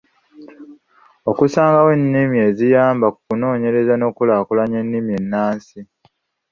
Okussangawo ensimbi eziyamba ku kunoonyereza n’okukulaakulanya ennimi ennansi